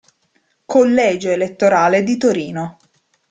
Collegio elettorale di Torino